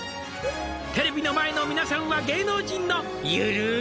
「テレビの前の皆さんは芸能人の」